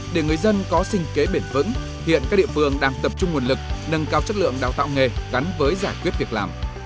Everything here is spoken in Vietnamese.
để người dân có sinh kế bền vững hiện các địa phương đang tập trung nguồn lực nâng cao chất lượng đào tạo nghề gắn với giải quyết việc làm